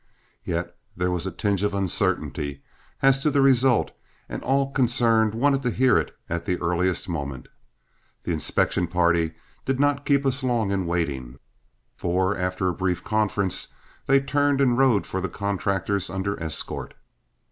Yet there was a tinge of uncertainty as to the result, and all concerned wanted to hear it at the earliest moment. The inspection party did not keep us long in waiting, for after a brief conference they turned and rode for the contractors under escort.